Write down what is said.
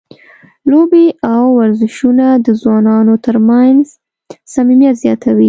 لوبې او ورزشونه د ځوانانو ترمنځ صمیمیت زیاتوي.